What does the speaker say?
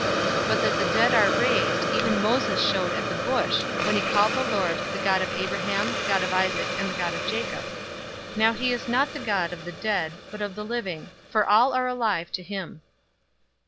020:037 But that the dead are raised, even Moses showed at the bush, when he called the Lord 'The God of Abraham, the God of Isaac, and the God of Jacob.'{Exodus 3:6} 020:038 Now he is not the God of the dead, but of the living, for all are alive to him."